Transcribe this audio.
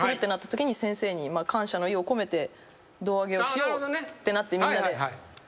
先生に感謝の意を込めて胴上げをしようってなってみんなで。